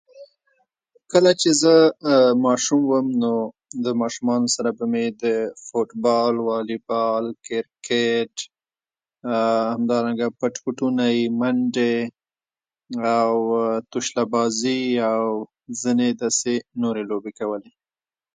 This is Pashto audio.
تاسو پرون تللي وئ؟